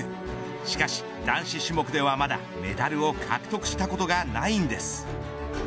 しかし、男子種目ではまだメダルを獲得したことがないんです。